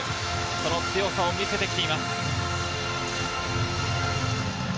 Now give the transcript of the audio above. この強さを見せてきています。